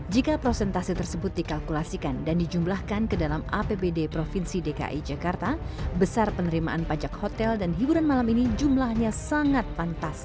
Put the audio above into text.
jika prosentase tersebut dikalkulasikan dan dijumlahkan ke dalam apbd provinsi dki jakarta besar penerimaan pajak hotel dan hiburan malam ini jumlahnya sangat pantas